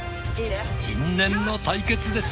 因縁の対決です。